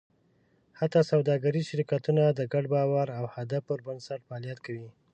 حتی سوداګریز شرکتونه د ګډ باور او هدف پر بنسټ فعالیت کوي.